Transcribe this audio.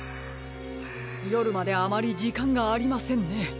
よるまであまりじかんがありませんね。